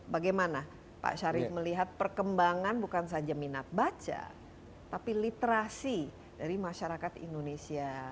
bagaimana pak syarif melihat perkembangan bukan saja minat baca tapi literasi dari masyarakat indonesia